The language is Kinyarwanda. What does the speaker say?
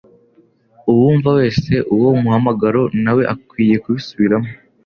Uwumva wese uwo muhamagaro na we akwiye kubisubiramo.